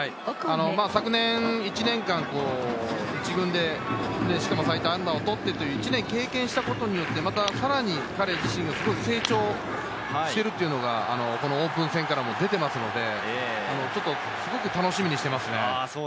昨年、１軍で最多安打をとって経験したことによって、彼自身が成長しているというのがオープン戦にも出ていますので、すごく楽しみにしています。